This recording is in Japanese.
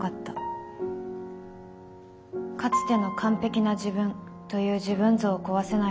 『かつての完璧な自分』という自分像を壊せない